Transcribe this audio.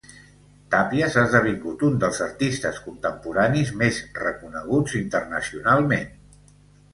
Tàpies ha esdevingut un dels artistes contemporanis més reconeguts internacionalment.